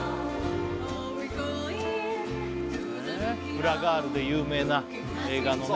「フラガール」で有名な映画のね